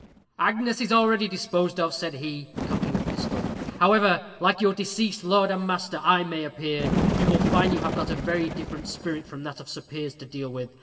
"Agnes is already disposed of," said he, cocking a pistol. "However like your deceased 'lord and master' I may appear, you will find you have got a very different spirit from that of Sir Piers to deal with.